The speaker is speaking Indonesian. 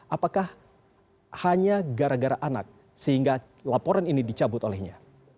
apakah hanya gara gara anak sehingga laporan ini dicabut olehnya